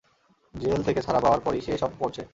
Jail থেকে ছাড়া পাওয়ার পরই সে এসব করছে।